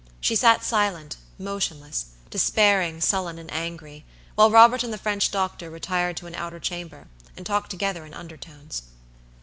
She sat silent, motionless, despairing, sullen, and angry, while Robert and the French doctor retired to an outer chamber, and talked together in undertones.